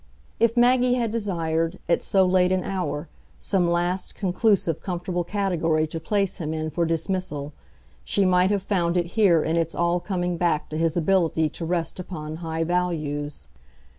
If Maggie had desired, at so late an hour, some last conclusive comfortable category to place him in for dismissal, she might have found it here in its all coming back to his ability to rest upon high values.